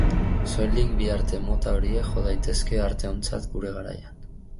Soilik bi arte mota horiek jo daitezke arte ontzat gure garaian.